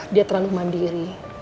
dia terlalu mandiri